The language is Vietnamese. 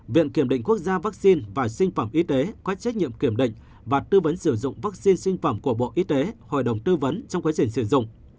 viện kiểm định quốc gia vaccine và sinh phẩm y tế có trách nhiệm kiểm định và tư vấn sử dụng vaccine sinh phẩm của bộ y tế hội đồng tư vấn trong quá trình sử dụng